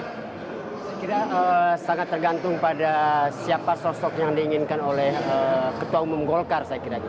saya kira sangat tergantung pada siapa sosok yang diinginkan oleh ketua umum golkar saya kira